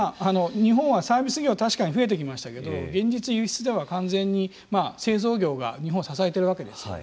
日本は、サービス業確かに増えてきましたけど現実、輸出では完全に製造業が日本を支えているわけですよね。